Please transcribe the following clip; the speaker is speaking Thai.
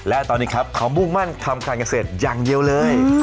และตอนนี้ครับเขามุ่งมั่นทำการเกษตรอย่างเดียวเลย